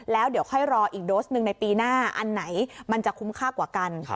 แล้วเดี๋ยวค่อยรออีกโดสหนึ่งในปีหน้าอันไหนมันจะคุ้มค่ากว่ากัน